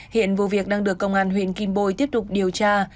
hiện vụ việc đang được công an huyện kim bồi tiếp tục điều tra